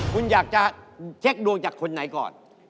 คุณอยากจะเช็คดวงจากคนไหนก่อน